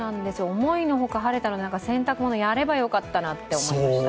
思いの外晴れたので、洗濯物やればよかったなと思いました。